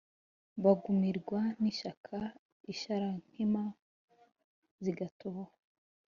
Bagumirwa n'ishaka Isharankima zigatoha.